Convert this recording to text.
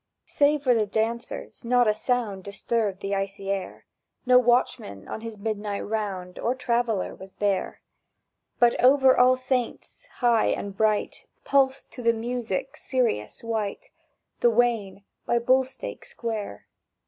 Save for the dancers', not a sound Disturbed the icy air; No watchman on his midnight round Or traveller was there; But over All Saints', high and bright, Pulsed to the music Sirius white, The Wain by Bullstake Square.